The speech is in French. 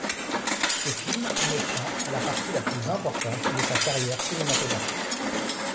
Ce film met fin à la partie la plus importante de sa carrière cinématographique.